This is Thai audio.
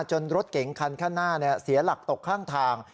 รถเก๋งคันข้างหน้าเสียหลักตกข้างทาง